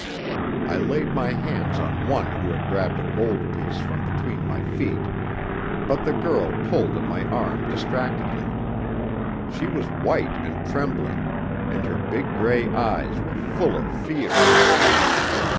I laid my hands on one who had grabbed a gold piece from between my feet, but the girl pulled at my arm distractedly. She was white and trembling, and her big grey eyes were full of fear.